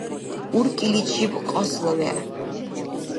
Уркӏиличиб кьасла вегӏ